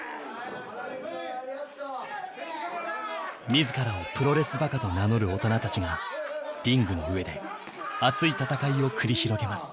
自らをプロレスバカと名乗る大人たちがリングの上で熱い戦いを繰り広げます。